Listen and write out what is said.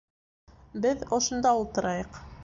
Беҙ ошонда ултырайыҡ